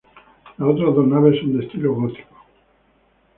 Las otras dos naves son de estilo gótico.